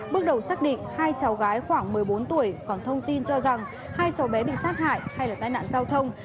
bước đầu xác định hai cháu gái khoảng một mươi bốn tuổi còn thông tin cho rằng hai cháu bé bị sát hại hay là tai nạn giao thông